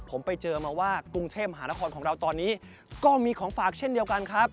ผมไปเจอมาว่ากรุงเทพมหานครของเราตอนนี้ก็มีของฝากเช่นเดียวกันครับ